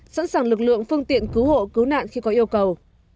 sẵn sàng lực lượng phương tiện cứu hộ cứu nạn khi có yêu cầu